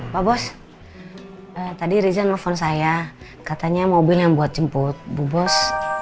pak bos tadi rizal nelfon saya katanya mobil yang buat jemput bu bos